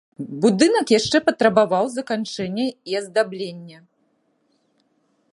Будынак яшчэ патрабаваў заканчэння і аздаблення.